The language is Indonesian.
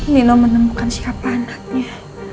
nino menemukan siapa anaknya